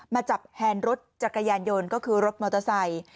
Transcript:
มาจับแฮนด์รถจักรยานยนต์ก็คือรถมอเตอร์ไซค์